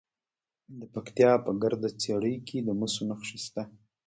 د پکتیا په ګرده څیړۍ کې د مسو نښې شته.